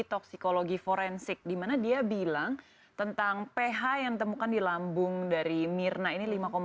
terhadap psikologi forensik dimana dia bilang tentang ph yang temukan di lambung dari myrna ini